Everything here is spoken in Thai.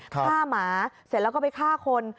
ฆ่าหมาเสร็จแล้วก็ไปฆ่าคน